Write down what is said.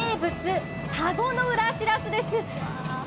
これが名物、田子の浦しらすです。